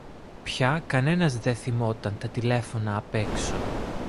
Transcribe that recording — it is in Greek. Πια κανένας δε θυμόταν τα τηλέφωνα απ’ έξω